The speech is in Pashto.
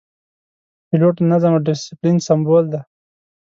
پیلوټ د نظم او دسپلین سمبول دی.